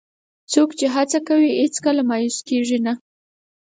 څوک چې هڅه کوي، هیڅکله مایوس نه کېږي.